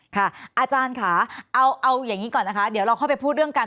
อาจารย์ค่ะเอาอย่างนี้ก่อนนะคะเดี๋ยวเราค่อยไปพูดเรื่องกัน